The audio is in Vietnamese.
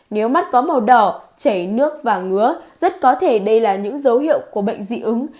nếu mắt có màu đỏ chảy nước và ngứa rất có thể đây là những dấu hiệu của bệnh dị ứng